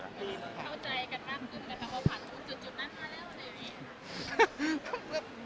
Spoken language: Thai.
เข้าใจกันบ้างเปล่า